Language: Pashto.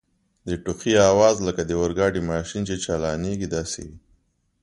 د ټوخي آواز لکه د اورګاډي ماشین چي چالانیږي داسې و.